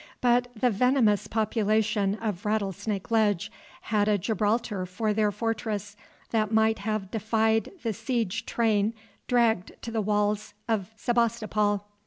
But the venomous population of Rattlesnake Ledge had a Gibraltar for their fortress that might have defied the siege train dragged to the walls of Sebastopol.